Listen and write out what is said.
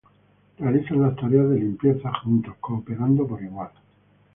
Realizan las tareas de limpieza juntos, cooperando por igual.